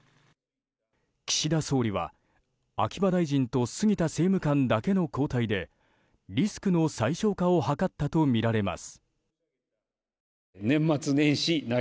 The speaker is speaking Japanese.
岸田総理は秋葉大臣と杉田政務官だけの交代でリスクの最小化を図ったとみられます。